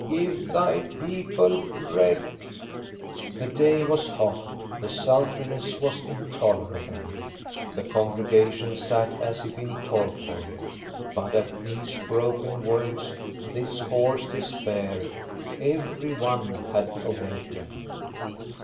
Give Thy people bread !" The day was hot; the sultriness was intolerable. THE DROUGHT 385 The congregation sat as if in a torpor ; but at these broken words, this hoarse despair, every one had awakened.